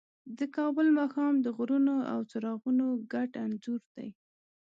د کابل ماښام د غرونو او څراغونو ګډ انځور دی.